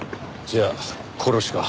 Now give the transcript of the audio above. じゃあ殺しか。